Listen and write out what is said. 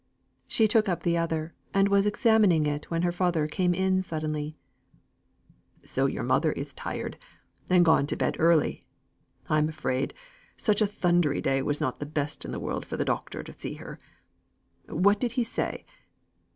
She took up the other, and was examining it, when her father came in suddenly: "So your mother is tired, and gone to bed early! I'm afraid, such a thundery day was not the best in the world for the doctor to see her. What did he say?